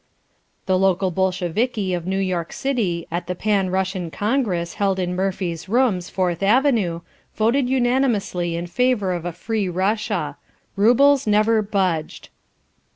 "The local Bolsheviki of New York City at the Pan Russian Congress held in Murphy's Rooms, Fourth Avenue, voted unanimously in favor of a Free Russia. Roubles never budged."